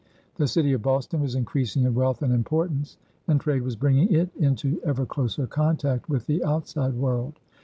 The city of Boston was increasing in wealth and importance, and trade was bringing it into ever closer contact with the outside world.